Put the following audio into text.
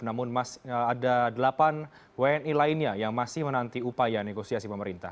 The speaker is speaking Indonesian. namun ada delapan wni lainnya yang masih menanti upaya negosiasi pemerintah